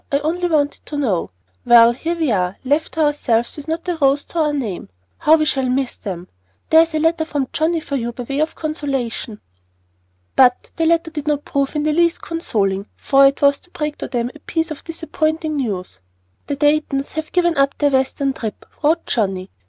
I only wanted to know. Well, here we are, left to ourselves with not a Rose to our name. How we shall miss them! There's a letter from Johnnie for you by way of consolation." But the letter did not prove in the least consoling, for it was to break to them a piece of disappointing news. "The Daytons have given up their Western trip," wrote Johnnie.